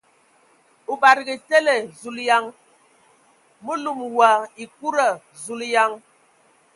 O badǝgǝ tele ! Zulǝyan ! Mǝ lum wa ekuda ! Zuleyan !